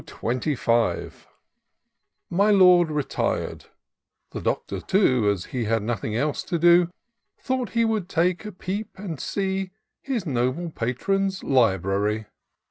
Ji Y Lord retir'd : the Doctor too, As he had nothing else to do, Thought he would take a peep and see His noble Patron's library.